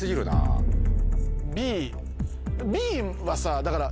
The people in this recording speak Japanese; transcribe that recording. ＢＢはさだから。